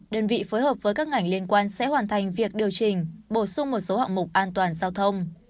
đơn vị phối hợp với các ngành liên quan sẽ hoàn thành việc điều chỉnh bổ sung một số hạng mục an toàn giao thông